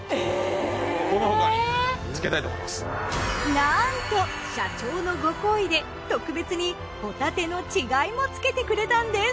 なんと社長のご厚意で特別にほたての稚貝も付けてくれたんです。